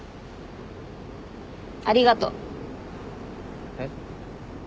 ありがとう。えっ？